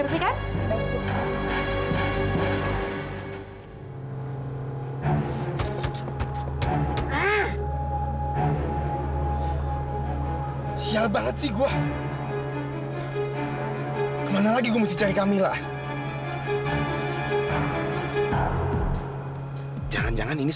dimana fadil sembunyiin dia